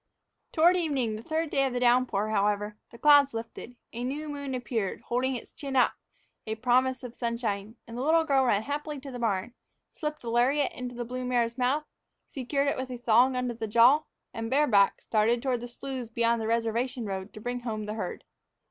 Toward evening, the third day of the downpour, however, the clouds lifted. A new moon appeared, holding its chin up, a promise of sunshine, and the little girl ran happily to the barn, slipped a lariat into the blue mare's mouth, secured it with a thong under the jaw, and, bareback, started toward the sloughs beyond the reservation road to bring home the herd.